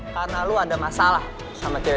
karena lo ada masalah sama cewek gue